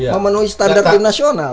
memenuhi standar timnasional